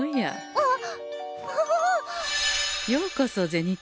あっ。